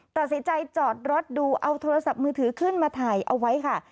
ตัดสินใจจอดรถดูเอาโทรศัพท์มือถือขึ้นมาถ่ายเอาไว้ค่ะ